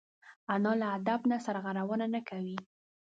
انا له ادب نه سرغړونه نه کوي